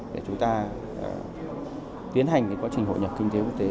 để chúng ta tiến hành quá trình hội nhập kinh tế quốc tế